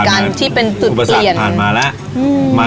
ผ่านมาเนอะอุปสรรคผ่านมาแล้ว